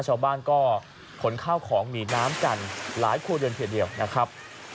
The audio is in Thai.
ชาวบ้านก็ขนข้าวของหนีน้ำกันหลายครัวเรือนทีเดียวนะครับ